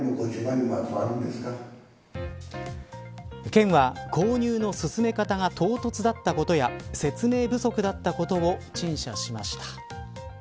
県は購入の進め方が唐突だったことや説明不足だったことを陳謝しました。